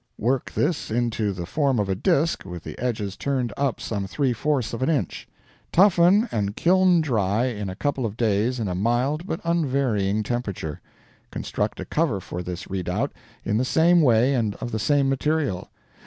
Work this into the form of a disk, with the edges turned up some three fourths of an inch. Toughen and kiln dry in a couple days in a mild but unvarying temperature. Construct a cover for this redoubt in the same way and of the same material.